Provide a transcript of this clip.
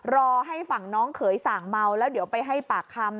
รอให้ฝั่งน้องเขยสั่งเมาแล้วเดี๋ยวไปให้ปากคำ